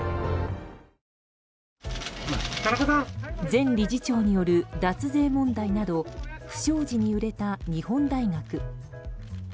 前理事長による脱税問題など不祥事に揺れた日本大学。